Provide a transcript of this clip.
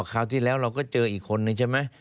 คราวที่แล้วเราก็เจออีกคนนึงใช่ไหม